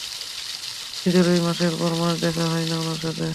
আমার নিজেরই মাসের পর মাস দেখা হয় না উনার সাথে।